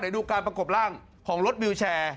ดูการประกบร่างของรถวิวแชร์